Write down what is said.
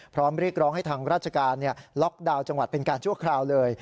เรียกร้องให้ทางราชการล็อกดาวน์จังหวัดเป็นการชั่วคราวเลย